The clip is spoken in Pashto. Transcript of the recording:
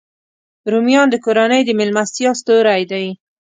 رومیان د کورنۍ د میلمستیا ستوری دی